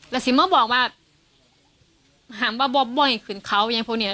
แล้วสิเมื่อบอกว่าห่างว่าบ่อยขึ้นเขาอย่างพวกเนี้ย